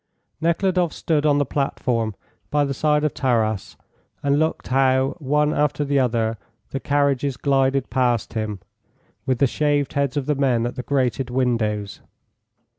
Nekhludoff stood on the platform by the side of Taras, and looked how, one after the other, the carriages glided past him, with the shaved heads of the men at the grated windows.